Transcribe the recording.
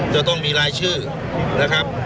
จะต้องมีรายชื่อนะครับ